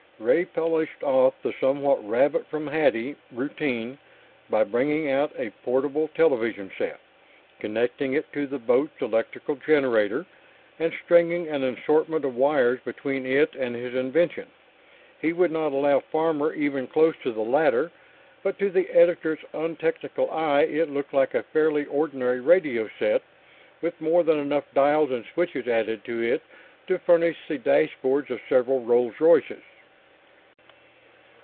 Ray polished off the somewhat rabbit from hatty routine by bringing out a portable television set, connecting it to the boat's electrical generator, and stringing an assortment of wires between it and his invention. He would not allow Farmer very close to the latter, but to the editor's untechnical eye it looked like a fairly ordinary radio set, with more than enough dials and switches added to it to furnish the dashboards of several Rolls Royces.